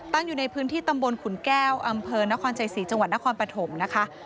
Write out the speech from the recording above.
อยู่ในพื้นที่ตำบลขุนแก้วอำเภอนครชัยศรีจังหวัดนครปฐมนะคะ